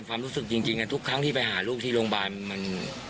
ความรู้สึกจริงทุกครั้งที่ไปหาลูกที่โรงพยาบาลมัน